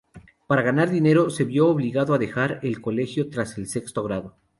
Para ganar dinero, se vio obligado a dejar el colegio tras el sexto grado.